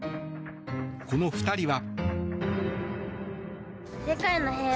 この２人は。